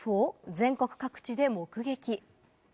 全国各地で目撃。